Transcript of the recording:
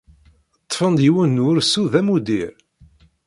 Ḍḍfen-d yiwen n wursu d amuddir.